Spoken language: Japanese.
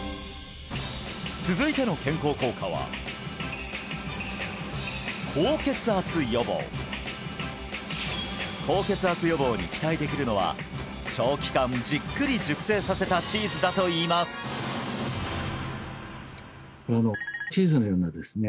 続いての健康効果は高血圧予防に期待できるのは長期間じっくり熟成させたチーズだといいます○○チーズのようなですね